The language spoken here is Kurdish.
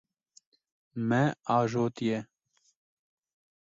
Me ajotiye.